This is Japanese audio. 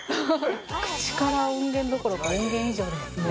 口から音源どころか、音源以上ですね。